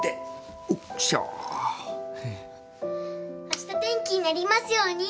あした天気になりますように。